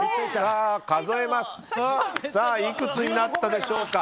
いくつになったでしょうか。